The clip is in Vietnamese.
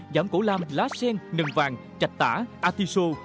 giảm cổ lam lá sen nần vàng chạch tả artichoke